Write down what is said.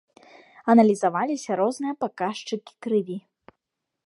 Аналізаваліся розныя паказчыкі крыві.